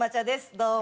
どうも。